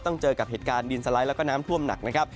เจอกับเหตุการณ์ดินสไลด์แล้วก็น้ำท่วมหนักนะครับ